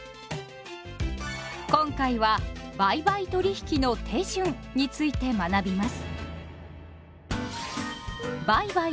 今回は「売買取引の手順」について学びます。